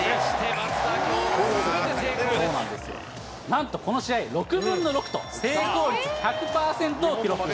松田、なんとこの試合、６分の６と、成功率１００％を記録。